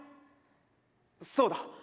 そうだ。